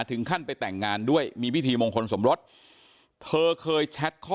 ถึงขั้นไปแต่งงานด้วยมีพิธีมงคลสมรสเธอเคยแชทข้อ